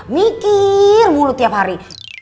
mikir mulu tiap hari